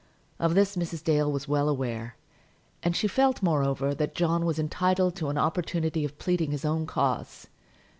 Of this Mrs. Dale was well aware; and she felt, moreover, that John was entitled to an opportunity of pleading his own cause.